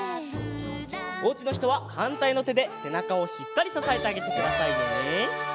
おうちのひとははんたいのてでせなかをしっかりささえてあげてくださいね。